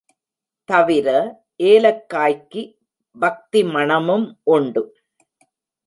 தவிர, ஏலக்காய்க்குப் பக்தி மணமும் உண்டு.